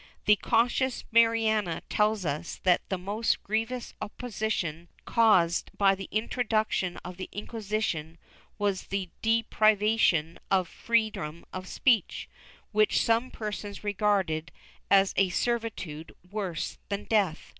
^ The cautious Mariana tells us that the most grievous oppression caused by the introduction of the Inquisition was the deprivation of free dom of speech, which some persons regarded as a servitude worse than death.